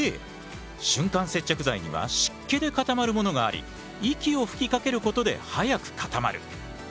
瞬間接着剤には湿気で固まるものがあり息を吹きかけることで早く固まる。